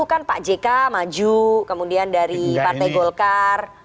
kan pak jk maju kemudian dari partai golkar